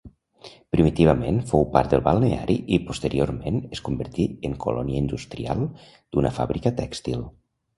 Primitivament fou part del balneari i posteriorment es convertí en colònia industrial d'una fàbrica tèxtil.